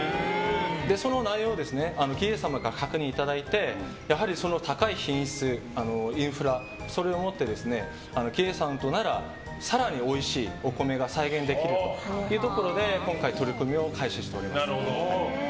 その内容を儀兵衛様に確認いただいて高い品質、インフラを持って儀兵衛さんとなら更においしいお米を再現できると今回取り組みを開始しております。